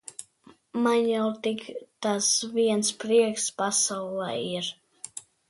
Man jau tik tas viens prieks pasaulē ir.